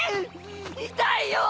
痛いよぉ！